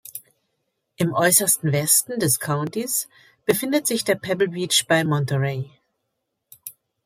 Im äußersten Westen des Countys befindet sich der Pebble Beach bei Monterey.